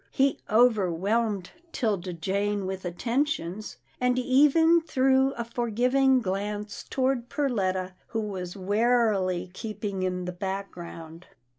He overwhelmed 'Tilda Jane with attentions, and even threw a forgiving glance toward Perletta who was warily keeping in the background.